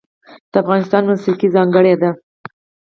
د افغانستان موسیقی ځانګړې ده